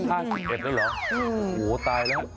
๕๑ปีหรอโหตายแล้ว